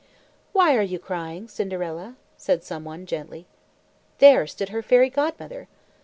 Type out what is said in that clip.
"Why are you crying, Cinderella?" said some one gently. There stood her Fairy Godmother.